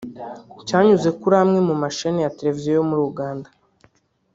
cyanyuze kuri amwe mu mashene ya televiziyo yo muri Uganda